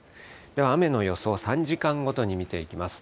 では雨の予想、３時間ごとに見ていきます。